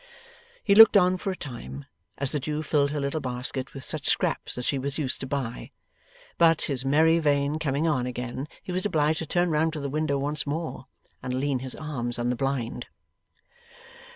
He looked on for a time, as the Jew filled her little basket with such scraps as she was used to buy; but, his merry vein coming on again, he was obliged to turn round to the window once more, and lean his arms on the blind.